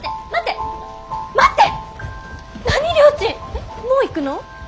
ちんもう行くの！？